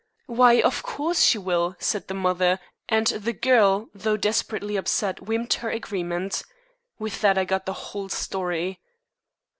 'Why, of course she will,' said the mother, and the girl, though desperately upset, whimpered her agreement. With that I got the whole story."